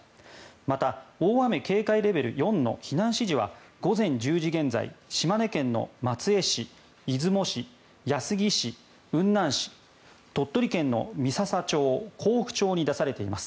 また、大雨警戒レベル４の避難指示は午前１０時現在島根県の松江市、出雲市安来市、雲南市鳥取県の三朝町、江府町に出されています。